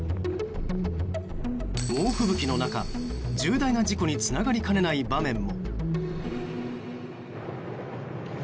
猛吹雪の中、重大な事故につながりかねない場面も。